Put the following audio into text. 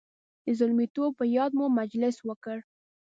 د زلمیتوب په یاد مو مجلس وکړ.